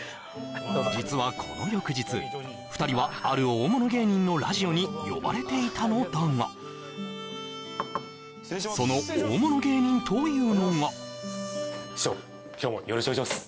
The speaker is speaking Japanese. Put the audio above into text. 実はこの翌日２人はある大物芸人のラジオに呼ばれていたのだがその大物芸人というのが師匠今日もよろしくお願いします